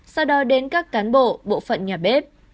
sau đó đến các cán bộ bộ phận nhà bếp